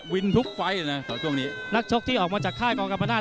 ทุกไฟล์เลยนะช่วงนี้นักชกที่ออกมาจากค่ายกรรมนาศ